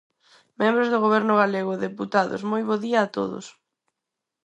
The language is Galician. Membros do Goberno galego, deputados, moi bo día a todos.